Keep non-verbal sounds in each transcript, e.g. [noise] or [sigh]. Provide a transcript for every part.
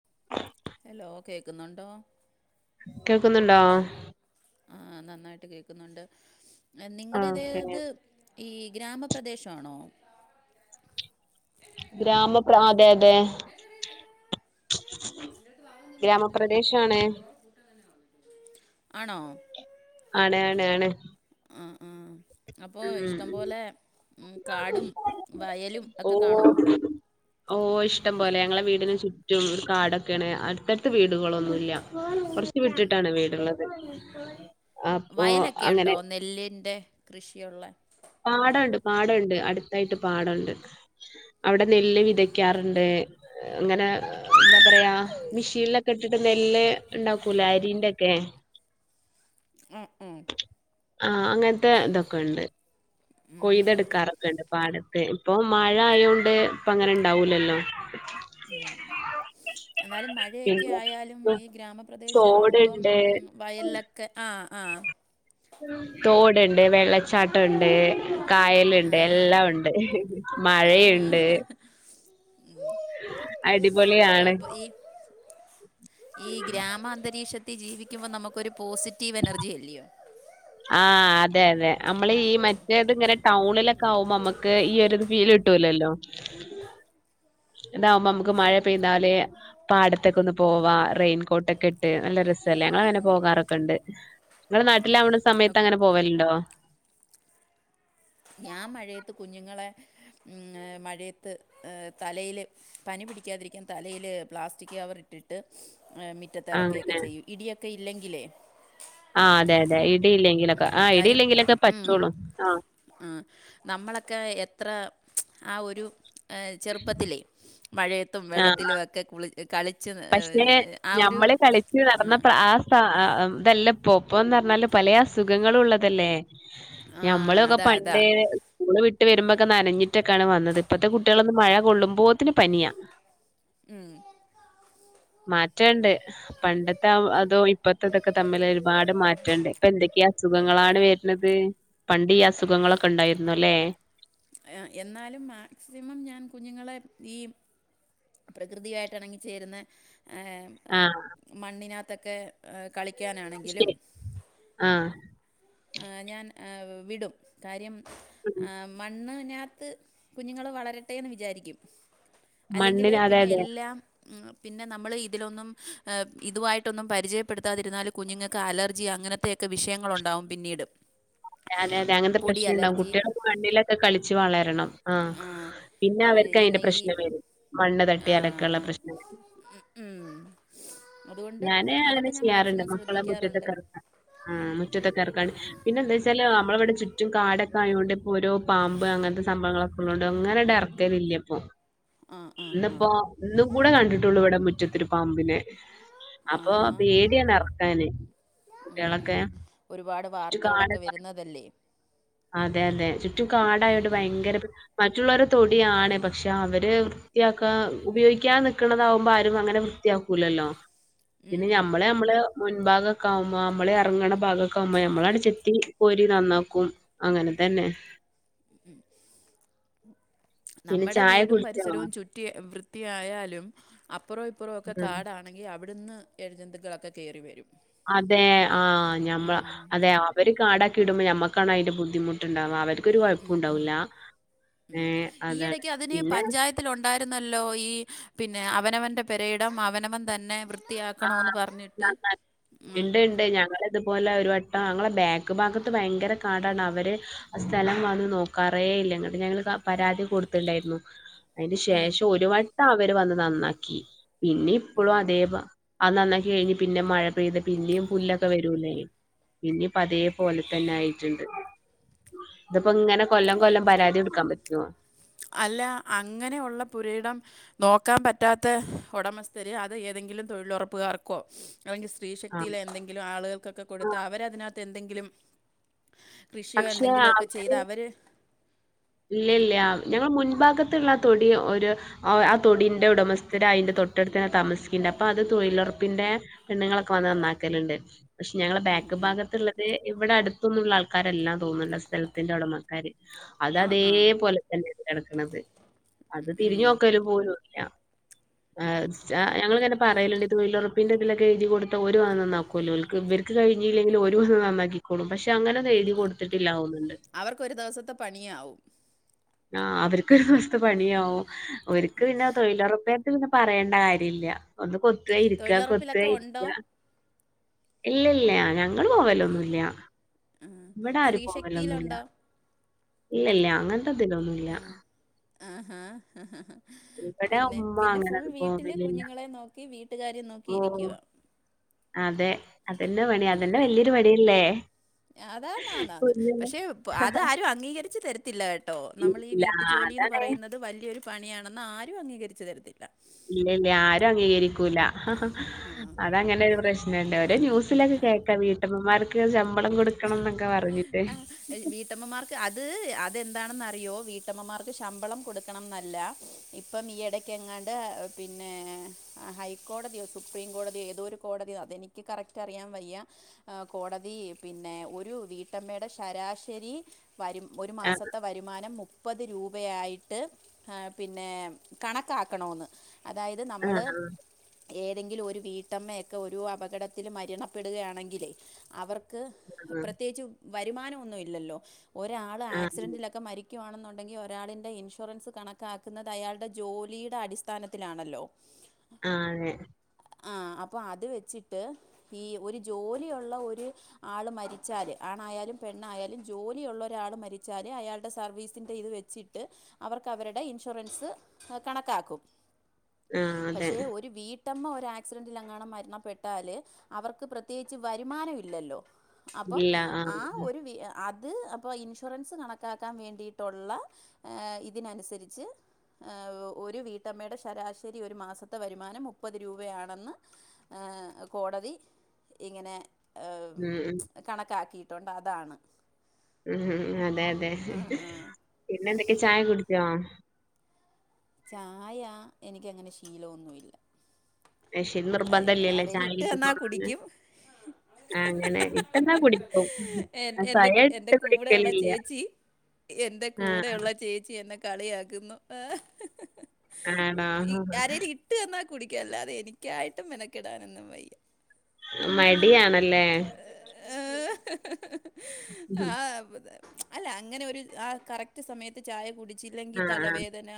[inaudible] Hello കേക്കുന്നുണ്ടോ കേൾക്കുന്നുണ്ടോ ആ നന്നായിട്ട് കേക്കുന്നുണ്ട് എ ഓക്കെ നിങ്ങടതേത് ഈ ഗ്രാമ പ്രദേശാണോ ഗ്രാമപ്ര ആ അതെ അതെ ഗ്രാമപ്രദേശാണ് ആണോ ആണ് ആണ് ആണ് ആ ആ അപ്പോ ഉം ഇഷ്ടം ഉം. പോലെ ഉം കാടും വയലും ഓ എക്ക കാണോ പലെ ഞങ്ങളെ വീടിനു ചുറ്റും ഒരു കാടൊക്കെണ് അടുത്തടുത്ത് വീടുകളൊന്നും ഇല്ല കൊറച്ച് വിട്ടിട്ടാണ് വീട്ള്ളത് അപ്പൊ വയലൊക്കെ അങ്ങനെ ഉണ്ടോ നെല്ലിൻ്റെ കൃഷിയുള്ള പാടണ്ട് പാടൊണ്ട് അടുത്തായിട്ട് പാടൊണ്ട് അവിടെ നെല്ല് വിതയ്ക്കാറുണ്ട് എ അങ്ങനെ അ എ എന്താ പറയാ മിഷീനിലൊക്കെ ഇട്ടിട്ട് നെല്ല് ഇണ്ടാക്കൂല്ലേ അരീന്റെ എക്കെ ആ ആ അങ്ങനത്തെ ഇതൊക്കെ ഒണ്ട് കൊയ്തെടുക്കാറൊക്കെണ്ട് പാടത്ത് ഇപ്പൊ മഴ ആയോണ്ട് ഇപ്പ അങ്ങനെ ഇണ്ടാവൂലല്ലോ ഉം എന്നാലും മഴയൊക്കെ പിന്നെ ആയാലും ഈ ഗ്രാമപ്രദേശാവുമ്പം തോടുണ്ട് ഉം വയലലൊക്കെ ആ ആ തോട്ണ്ട് വെള്ളച്ചാട്ടുണ്ട് കായലിണ്ട് ആഹാ എല്ലാം ഒണ്ട് ഇഹ് ഹ് ആഹാ മഴയിണ്ട് അ അപ്പൊ ഈ ഈ ഗ്രാമാന്തരീക്ഷത്തി ത്തി ജീവിക്കുമ്പം നമ്മക്കൊരു പോസിറ്റീവ് എനർജി അല്ലിയോ ആഹ് അതെ അതെ നമ്മള് ഈ മറ്റേത് ഇങ്ങനെ ടൗണിലൊക്കെ ആവുമ്പോ അമ്മക്ക് ഈ ഒരു ഫീല് കിട്ടൂലല്ലോ ഇതാവുമ്പോ അമ്മക്ക് മഴ പെയ്താല് പാടത്തൊക്കെ ഒന്ന് പോവാ റെയിൻകോട്ടെക്കെ ഇട്ട് നല്ല ര സെലേങ്ങളങ്ങന പോകാറെക്ക്ണ്ട്. ങ്ങള് നാട്ടിലാവണ സമയത്തങ്ങനെ പോവലിണ്ടോ ഞാൻ മഴയത്ത് കുഞ്ഞുങ്ങളെ ഉം ന മഴയത്ത് എ തലയില് പനി പിടിക്കാൻ തിരിക്കാൻ തലേയില് പ്ലാസ്റ്റിക് കവറിട്ടിട്ട് ആ മിറ്റത്തെറക്കേക്കെ ചെയ്യും ഇടിയെക്ക ഇല്ലെങ്കിലേ ആ അതെ അതെ ഇടിയില്ലെങ്കിലൊക്ക ഉം, ആ കാര്യം ഇടിയില്ലെങ്കിലെക്ക പറ്റോള്ളു ആ നമ്മളെക്കെ എത്ര ആ ഒരു ഏ ചെറുപ്പത്തിലെ മഴയത്തും ആഹ് വെള്ളത്തിലുവെക്കെ കുളി കളിച്ച് പക്ഷെ ഏഹ് ആ ഒരു ഞമ്മള് കളിച്ച് നടന്നപ്പ ആ സാ ആ ഇതല്ല പോപ്പോന്നറഞ്ഞാല് പലേ അസുഖങ്ങളും ഒള്ളതല്ലേ ആ, ഞമ്മളൊക്ക അതാ അതാ പണ്ട് സ്കൂള് വിട്ട് ട്ട് വരുമ്പോക്കെ നനഞ്ഞിട്ടൊക്കാണ് വന്നത് ഇപ്പഴത്തെ കുട്ടികളൊന്ന് മഴ കൊള്ളുമ്പോത്തിന് പനിയാ ഉം മാറ്റേണ്ട് പണ്ടത്തെ അ അതോ ഇപ്പത്തെ ഇതൊക്കെ തമ്മിലൊരു ഒരുപാട് മാറ്റണ്ട് ഇപ്പ എന്തൊക്കെയാ അസുഖങ്ങളാണ് വെരുന്നത് പണ്ടീഅസുഖങ്ങളൊക്കെണ്ടായിരുന്നോ ല്ലേ എ. എന്നാലും മാക്സിമം ഞാൻ കുഞ്ഞുങ്ങളെ ഈ പ്രകൃതിയായിട്ട് എണങ്ങിച്ചേരുന്ന ഏ എ ആഹ് മണ്ണിനാത്തെക്കെ എ കളിക്കാനാണെങ്കിലും ശരി ആഹ് ആ ഞാൻ ആ വിടും കാര്യം ഉം. ആ മണ്ണ് നാത്ത് കുഞ്ഞുങ്ങള് വളരട്ടെന്ന് വിചാരിക്കും അല്ലെങ്കില് മണ്ണിന് അതെ പിന്നെ അതെ എല്ലാം പിന്നെ നമ്മള് ഇതിലൊന്നും ആ ഇതു വായിട്ടൊന്നും പരിചയപ്പെടുത്താതിരുന്നാല് കുഞ്ഞുങ്ങൾക്ക് അലർജി അ അങ്ങനത്തെയൊക്കെ വിഷയങ്ങളൊണ്ടാവും പിന്നീടും [unintelligible] അങ്ങത്തെ പ്രശ്നംണ്ടാവും കുട്ട്യള് മണ്ണിലക്കെ കളിച്ച് വളരണം ആഹ് പിന്നെ അവര്ക്ക് അയ്ന്റെ പ്രശ്നം വരും മണ്ണ് ആഹ് തട്ടിയാലൊക്കെള്ള ആഹ് പ്രശ്നം വരും ഉം അതുകൊണ്ട് ഞാന് അതൊക്കെ അങ്ങനെ ഞാൻ ചെയ്യാറ്ണ്ട് മാക്സിമം മക്കളെ ശ്രദ്ധിക്കാറുണ്ട് മുറ്റത്തൊക്കെറക്കാൻ ആ മുറ്റത്തൊക്കെ ഇറക്കാന് പിന്നെന്താച്ചാല് അമ്മളിവിടെ ചു റ്റും കാടൊക്കെ ആയോണ്ട് ഇപ്പോരോ പാമ്പ് അങ്ങൻത്തെ സംഭവങ്ങളൊക്കെള്ളോണ്ട് അങ്ങനൺടെറക്കലില്ല്യാ ഇപ്പൊ ആഹ് ആഹ് ആഹ് ഇന്ന്പ്പോ ഇന്നും കൂടെ കണ്ടിട്ടുള്ളൂ ഇവിടെ മുറ്റത്തൊരു പാമ്പിനെ അപ്പൊ ആഹാ പേടിയാണെറക്കാന് ഉം ഉം ഒരുപാട് വാർത്തകളൊക്കെ കാടൊക്കെ വെരുന്നതല്ലേ അതെ അതെ ചുറ്റും ഉം കാടായോണ്ട് ഉം ഭയങ്കര മറ്റുള്ളോരെ തൊടിയാണ് പക്ഷെ അവര് വൃത്തിയാക്കാ ഉപയോഗിക്കാ നിക്കണതാവുമ്പോ ആരും അങ്ങനെ ത്തിയാക്കൂലല്ലോ ഉം പിന്നെ ഉം ഞമ്മളെ അമ്മള് മുൻഭാഗൊക്കെ ആമ്പ അമ്മള് എറങ്ങണ ഭാഗൊക്കെ ആമ്പോ നമ്മളാട്ചെത്തിനികോരി നന്നാക്കും അങ്ങനെ തന്നെ ഉം പിന്നെ നമ്മടെ ചായ വീടും കുടിച്ചോ? പരിസരവും ചുറ്റി വൃത്തിയായാലും അപ്പൊറ ഇപ്പുറവൊക്കെ ഉം കാടാണെങ്കി അവിടുന്ന് എഴജന്തുക്കളൊക്കെ കേറി വരും അതെ ആ ഞമ്മള ഉം അതെ അവര് കാടാ ക്കിടുമ്പോ ഞമ്മക്കാണ് അതിന്റെ ബുദ്ധിമുട്ട്ണ്ടാവാ അവര് ക്കൊരു ഉം ഉം കൊഴപ്പോണ്ടാവില്ല ഉം. ഏ അതാണ് പിന്നെ ട്ടുന്നല്ലോ ഈ പിന്നെ അവനവന്റെ പെരയിടം അവനവൻ തന്നെ വൃ ആഹ് ത്തിയാക്കണോന്ന് പറഞ്ഞിട്ട് ആ ഇതുപോലെ ഒരു വട്ടം അങ്ങളെ ബാക്ക് ബാഗത്ത് ഭയങ്കര കാടാണ് അവര് ആ സ്ഥലം വന്നു നോക്കാറ ഏയില്ലാഗ് ഞങ്ങള്താ പരാതി കൊടുത്ത്ണ്ടായിരുന്നു അയ്ന് ഉം. ശേഷം ഒരു വട്ടം അവര് വന്ന് നന്നാക്കി പിന്നെ ഉം. ഇപ്പളും അതേ പാ [unintelligible] അത് നന്നാക്കി കഴിഞ്ഞ് പിന്നെ മഴ പെയ്ത പിന്നെയും പുല്ലൊക്കെ വരൂലേ ഇന്നിപ്പതേ പോലെ തന്നെ ആയിട്ടുണ്ട് ഇതിപ്പോ ഇങ്ങനെ കൊല്ലം കൊല്ലം പരാതി കൊടുക്കാൻ പട്ടുവോ അല്ല അങ്ങനെയുള്ള പുരയിടം നോക്കാൻ പറ്റാത്ത ഒടമസ്ഥര് അത് ഏതെങ്കിലും തൊഴിലൊറപ്പുകാർക്കോ [unintelligible] സ്ത്രീ ആഹ് ശക്തിയിലെ എന്തെങ്കിലും ആളുകൾക്കൊക്കെ കൊടുത്താ അവരതിനാത്ത് എന്തെങ്കിലും കൃഷിയോ എന്തെങ്കിലുഒക്കെ ചെയ്ത് അവര് ഇല്ല ഇല്ലാ ഞങ്ങള് മുൻഭാഗത്തുള്ള ആ തൊടി ഒരു ആ തൊടിൻ്റെ ഉടമസ്ഥര് അതിൻ്റെ [unintelligible] തൊട്ടടുതാന്നെ താമസിക്കണ്ട് അപ്പൊ അത് തൊയിലൊറപ്പിന്റെ പെണ്ണുങ്ങളൊക്കെ വന്ന് നന്നാക്കല്ണ്ട് പഷ് ഞങ്ങളെ ഉം, ബാക്ക് ഉം, ഭാഗത്ത്ള്ളത് ഇവടെ [unintelligible] ത്തുന്നുള്ള ആൾക്കാരല്ലാന്തോന്ന്ണ്ട് ആ സ്ഥലത്തിന്റെ ഉടമക്കാര് അത് ആ ആ അതേപോലെ തന്നെ കെടക്കണത് അത് ഉം. തിരിഞ്ഞോക്കല് പോലൂല്ല ആ സ്ച ഞങ്ങള് ഇങ്ങനെ പറയല്ണ്ട് തൊയിലൊറപ്പിന്റെതിലൊക്കെ എയ്തി കൊടുത്താ ഓരു വാന്നന്നാക്കോല്ലോ ഓൽക്ക് ഇവര്ക്ക് കഴിഞ്ഞില്ലെങ്കിലും ഓരുവന്നന്നാക്കിക്കോളും പക്ഷെ ഇതങ്ങനൊന്നുംഎയ്തി കൊടുത്തിട്ടില്ലാഓ അവർക്കൊരു ദിവസത്തെ പണിയാവും ആഹ് അവർക്കൊരുദോസ്ത്തെ പണിയാവും ഓര്ക്ക് പിന്നെ തൊഴിലൊറപ്പെ ത് പിന്നെ പറയണ്ട കാര്യല്യ ഒന്ന് കൊത്യ ഇരിക്കാ കൊത്യ തൊഴിലുറപ്പിലൊക്കെ ഉണ്ടോ ഇരിക്കാ ഇല്ല ഇല്ല ഞങ്ങള് പോവലൊന്നുല്ല്യ ഇവിടാരും പോവലൊന്നുല്ലാ സ്ത്രീശക്തിയിലുണ്ടോ ഇല്ല ഇല്ല അങ്ങനത്തെതിലൊന്നുല്ല ആഹാ ഹ ഹ ഹ പിന്നെ ഉമ്മ പിന്നെ അങ്ങനെ ഫുൾ വീട്ടില് പോവലില്ല കുഞ്ഞുങ്ങളേം നോക്കി വീട്ടുകാര്യം നോക്കി ഓഹ് ഇരിക്കുവാ [inaudible] അതെ അതെന്നെ പണി അതെന്നെ വല്ല്യൊരു പണിയല്ലേ അതാന്നാന്നാന്ന് കുഞ്ഞുങ്ങൾ പക്ഷേ പ്അത് ആരും അംഗീകരിച്ച് തരത്തില്ല കേട്ടോ നമ്മളീ ഇല്ല വീട്ടുജോലി ന്ന് അതാണ് പറയുന്നത് വലിയൊരു പണിയാണെന്ന് ആരും അംഗീകരിച്ചു തരത്തില്ല ഇല്ല ഇല്ല ആരും അംഗീകരിക്കൂല്ല ഹ ഹ അതങ്ങനെ ഒരു പ്രശ്നണ്ട് ന്യൂസിലൊക്കെ കേൾക്കാം വീട്ടമ്മമാർക്ക് ശമ്പളം കൊടുക്കണം പറഞ്ഞിട്ട്. [inaudible] ആ വീട്ടമ്മമാർക്ക് അത് അ അതെന്താണെന്ന് അറിയുമോ വീട്ടമ്മമാർക്ക് ശമ്പളം കൊടുക്കണം എന്നല്ല ഇപ്പം ഈ ഇടയ്ക്ക് എങ്ങാണ്ട് പിന്നെ ഹൈക്കോടതിയോ സുപ്രീം കോടതിയോ ഏതോ ഒരു കോടതിയോ അതെനിക്ക് കറക്റ്റ് അറിയാൻ വയ്യ അ കോടതി പിന്നെ ഒരു വീ വീട്ടമ്മയുടെ ശരാശരി വരും ഒരു ആ. മാസത്തെ വരുമാനം മു മുപ്പത് രൂപയായിട്ട് പിന്നെ കണക്കാക്കണോന്ന് അതായത് ആ. നമ്മൾ ഏതെങ്കിലും ഒരു വീട്ടമ്മയൊക്കെ ഒരു അപകടത്തിൽ മരണപ്പെടുകയാണെങ്കിൽ അവർ പ്രത്യേകിച്ച് വരുമാനം ഒന്നുവില്ലല്ലോ ഒരാൾ ആ. ആ. ആക്സിഡന്റിലൊക്കെ മരി ണെന്നുണ്ടെങ്കിൽ ഒരാളന്റെ ഇൻഷുറൻസ് കണക്കാക്കുന്നത് അയാളുടെ ജോലിയുടെ അടിസ്ഥാനത്തിലാണല്ലോ ആ തെ ആ അപ്പോം അത് വെച്ചിട്ട് ഈ ഒരു ജോലിയുള്ള ഒരു ആള് മരിച്ചാൽ ആണായാലും പെണ്ണായാലും ജോലിയുള്ള ഒരാൾ മരിച്ചാൽ അയാളുടെ സർവീസിൻ്റെ ഇത് വെച്ചിട്ട് അവർ അവരുടെ ഇൻഷുറൻസ് കണക്കാക്കും ആ അതെ. പക്ഷേ ഒരു വീ വീട്ടമ്മ ഒരു ആക്സിഡന്റിൽ എങ്ങാണ് മരണപ്പെട്ടാല് അവർക്ക് പ്രത്യേകിച്ച് വരുമാനം ഇല്ലല്ലോ അപ്പം ആ ഒരു വി അ അത് അപ്പോൾ ഇൻഷുറൻസ് കണക്കാക്കാൻ വേണ്ടിയിട്ടുള്ള ആ ഇതിനനുസരിച്ച് ഒരു വീട്ടമ്മയുടെ ശരാശരി ഒരു മാസത്തെ വരുമാനം മുപ്പത് രൂപയാണെന്ന്‌‍ എ ഏ കോടതി ഇങ്ങനെ ഏം ഉം. ഉം. ച്ച് കണക്കാക്കിയിട്ടുണ്ട് അതാണ് മ് മ് അതെ അതെ പിന്നെ എന്തൊക്കെയ ചായ കുടിച്ചോ ചായ എനിക്ക് അങ്ങനെ ശീലൊന്നുമില്ല പക്ഷേ നിർബന്ധല്ലല്ലേ ആരല് ചായ ഇട്ട് തന്നാ കിട്ടിക്കോളണംന്ന്? കുടിക്കും ആ അങ്ങനെ ഇട്ടെന്നാ കുടിക്കും എൻ- എൻ്റെ സ്വയം ഇട്ട് കുടിക്കലില്ല എന്റെ ആ. കൂടെയുള്ള ചേച്ചി എന്നെ കളിയാക്കുന്നു ആണോ? ആരേലും ഇട്ട് തന്നാ കുടിക്കല്ല അത എനിക്കായിട്ടും മെനക്കിടാനൊന്നും വയ്യ മടിയണല്ലേ ആഹ ആ അല്ല അങ്ങനെ ഒരു ആ കറക്റ്റ് സമയത്ത് ചായ കുടിച്ച് ഇല്ലെങ്കി ആ. തലവേദന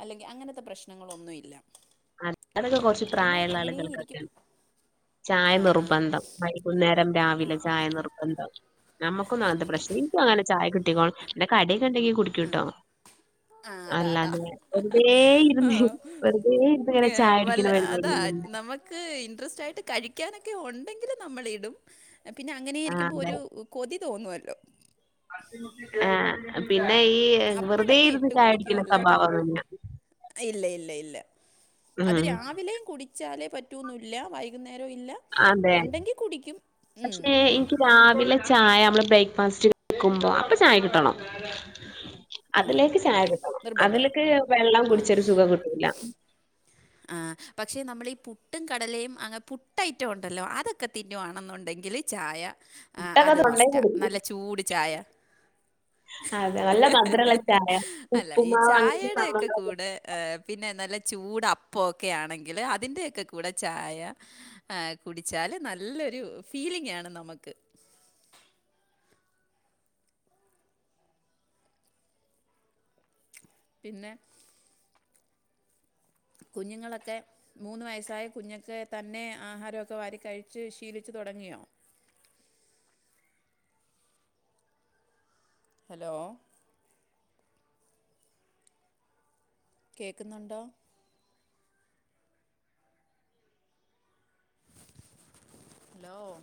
അല്ലെങ്കിൽ അങ്ങനത്തെ പ്രശ്നങ്ങളൊന്നു ഇല്ല അത അതൊക്കെ കൊറച്ച് പിന്നെ പ്രായമുള്ള അങ്ങനെ ഇരിക്കും ആളുകൾക്കൊക്കെയാണ് ചായ ആ ആ നിർബന്ധം വൈകുന്നേരം ആ രാവിലെ ആ ചായ നിർബന്ധം നമ്മുകൊന്നും അത് പ്രശ്ന എനിക്ക് അങ്ങനെ ചായ കട്ടിക്കോള എന്ന് ഇല്ല കടിയൊക്കെ ഉണ്ടെങ്കി കുടിക്കുട്ടോ ആ അതാ അതാ അല്ലതെ വെറുതെ ഇരുന്ന് വെറുതെഇരുന്ന് വ അതാ നമുക്ക് ഇൻട്രസ്റ്റ് ആയിട്ട് കഴിക്കാനൊക്കെ ഉണ്ടെങ്കിലും നമ്മള് ഇടും പിന്നെ അങ്ങനെ ഇരിക്കുമ്പോ ഒരു കൊതി തോന്നുമല്ലോ ആഹ പിന്നെ എന്നന്നെ ഈ വെറുതെ അപ്പോഴൊക്കെ ഇരുന്ന് ഇട്ട് കുടിക്കും ചായടിക്കുന്ന അല്ലാതെ സ്വഭാവം ഒന്നും ഇല്ല ഇല്ല ഇല്ല അത് രാവിലെയ കുടിച്ചാലേ പറ്റുന്നുല്ല വൈകുന്നര അതെ ഉം. പക്ഷെ എനിക്ക് രാവിലെ ചായ നമ്മള് ബ്ര ഫസ്റ്റ്ക്കുമ്പോ അപ്പൊ ചായ കിട്ടണം ആ അതിലേക്ക് ചായ കിട്ടും നിർബന്ധമാണ് അതിലേക്ക് വെള്ളം ആ കുടിച്ചൊരു സുഖം കിട്ടൂല്ല ആ പക്ഷെ നമ്മൾ ഈ പുട്ടും കടലയും അങ്ങനെ പുട്ട് ഐറ്റം ഉണ്ടല്ലോ അതൊക്കെ തിന്നു വാണെന്നുണ്ടെങ്കിൽ ഇല്ലെങ്കിൽ ചായ മുട്ടൊക്കെ അത് തൊണ്ടേ മസ്റ്റാ നല്ല ചൂട് ചായ അതെ നല്ല ഹഹഹ മധുരമുള്ള ഹ ചായ അല്ല ഈ ഉപ്പുമാവ് അങ്ങനത്തെ ചായയുടെക്കെ സംഭവങ്ങളൊക്കെ കൂടെ പിന്നെ നല്ല ചൂടഅപ്പും പോക്കെ ആണെങ്കിൽ അതിന്റെക്കെ കൂടെ ചായ കുടിച്ചാൽ നല്ലരു ഫീൽ ങ്ങാണ് നമുക്ക് പിന്നെ കുഞ്ഞുങ്ങളൊക്കെ മൂന്ന് വയസ്സായ കുഞ്ഞക്കെ തന്നെ ആഹാരമൊക്കെ വാരി കഴിച്ച് ശീലിച്ച തുടങ്ങിയോ ഹലോ കേക്കുന്നുണ്ടോ ഹലോ